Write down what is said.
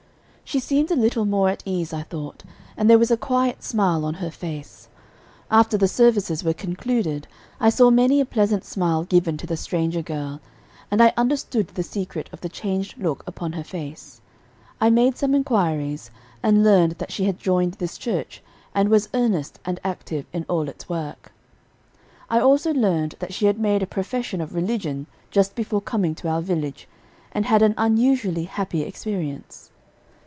She seemed a little more at ease, I thought, and there was a quiet smile on her face. After the services were concluded, I saw many a pleasant smile given to the stranger girl, and I understood the secret of the changed look upon her face. I made some inquiries, and learned that she had joined this church, and was earnest and active in all its work. I also learned that she had made a profession of religion just before coming to our village, and had an unusually happy experience.